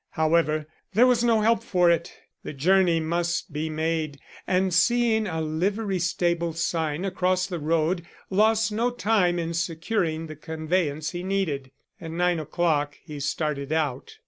However, there was no help for it. The journey must be made, and seeing a livery stable sign across the road, lost no time in securing the conveyance he needed. At nine o'clock he started out.